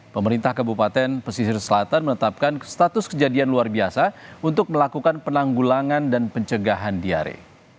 pemerintah kabupaten pesisir selatan menetapkan status kejadian luar biasa untuk melakukan penanggulangan dan pencegahan diare